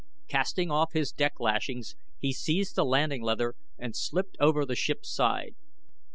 Casting off his deck lashings, he seized the landing leather and slipped over the ship's side.